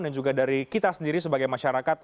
dan juga dari kita sendiri sebagai masyarakat